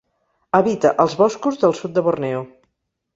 Habita els boscos del sud de Borneo.